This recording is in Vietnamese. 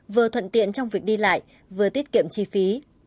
vừa thuận tiện trong việc đi lại vừa tiết kiệm chi phí